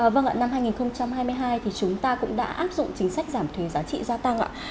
vâng ạ năm hai nghìn hai mươi hai thì chúng ta cũng đã áp dụng chính sách giảm thuế giá trị gia tăng ạ